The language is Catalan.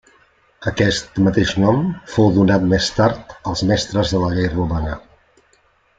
Aquest mateix nom fou donat més tard als mestres de la llei romana.